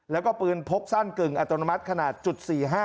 แล้วก็ปืนพกสั้นกึ่งอัตโนมัติขนาดจุด๔๕